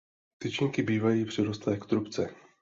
Tyčinky bývají přirostlé k trubce.